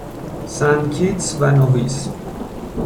سنت کیتس و نویس